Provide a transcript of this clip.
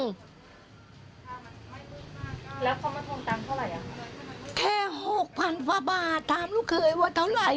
แล้วเขามาทวงตังค์เท่าไหร่อ่ะแค่หกพันกว่าบาทถามลูกเคยว่าเท่าไหร่